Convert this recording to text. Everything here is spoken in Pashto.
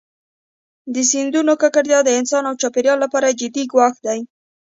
د سیندونو ککړتیا د انسانانو او چاپېریال لپاره جدي ګواښ دی.